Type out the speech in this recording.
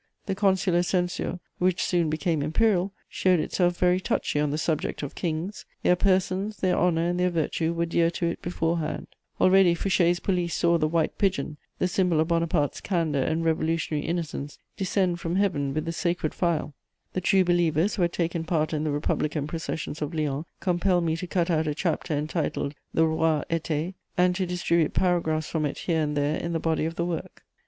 The consular censure, which soon became imperial, showed itself very touchy on the subject of kings: their persons, their honour and their virtue were dear to it beforehand. Already Fouché's police saw the white pigeon, the symbol of Bonaparte's candour and revolutionary innocence, descend from Heaven with the sacred phial. The true believers who had taken part in the Republican processions of Lyons compelled me to cut out a chapter entitled the Rois athées, and to distribute paragraphs from it here and there in the body of the work.